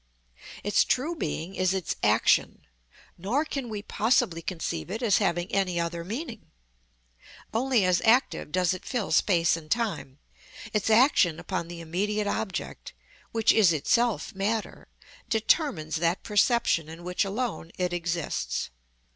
Its true being is its action, nor can we possibly conceive it as having any other meaning. Only as active does it fill space and time; its action upon the immediate object (which is itself matter) determines that perception in which alone it exists.